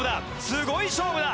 すごい勝負だ。